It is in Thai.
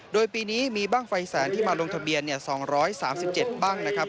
โดยปีนี้มีบ้างไฟแสนที่มาลงทะเบียน๒๓๗บ้างนะครับ